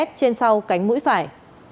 trên sau cánh mũi phải